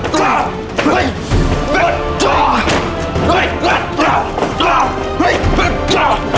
เก่งมากลูก